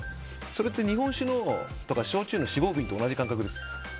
それって日本酒や焼酎の四合瓶と同じ感覚です。